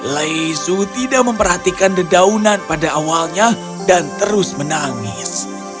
leisu tidak memperhatikan dedaunan pada awalnya dan terus menangis